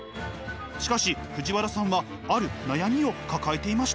しかし藤原さんはある悩みを抱えていました。